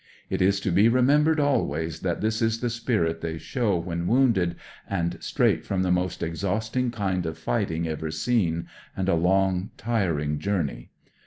It is to be remembered always that this is the spirit they show when wounded, and straight from the most exhausting kind of fighting ever seen, and a long tiring journey.